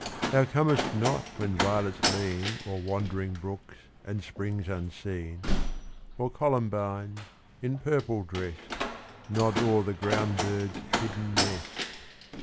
Thou comest not when violets lean O'er wandering brooks and springs unseen, Or columbines, in purple dressed, Nod o'er the ground bird's hidden nest.